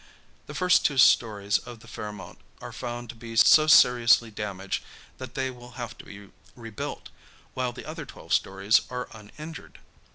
The first two stories of the Fairmount are found to be so seriously damaged that they will have to be rebuilt, while the other twelve stories are uninjured.